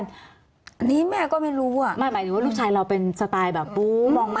อันนี้แม่ก็ไม่รู้อ่ะไม่หมายถึงว่าลูกชายเราเป็นสไตล์แบบปูมอง